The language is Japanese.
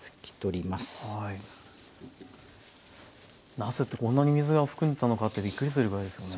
なすってこんなに水が含んでたのかってびっくりするぐらいですよね。